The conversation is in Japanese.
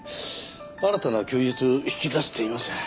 新たな供述引き出せていません。